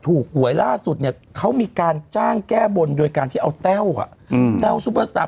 ถูกห่วยหลาดสุดเค้ามีการจ้างแก้บนโดยการที่เอาเต้า